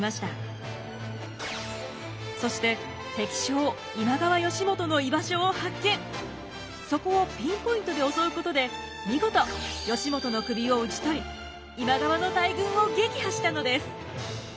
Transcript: そして敵将そこをピンポイントで襲うことで見事義元の首を討ち取り今川の大軍を撃破したのです。